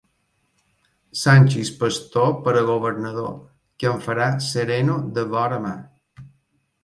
Sanxis Pastor per a governador, que em farà sereno de vora mar.